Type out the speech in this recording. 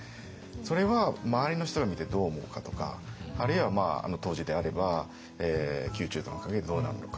それは周りの人が見てどう思うかとかあるいはあの当時であれば宮中との関係でどうなるのか。